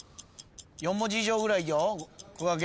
４文字以上ぐらいよ。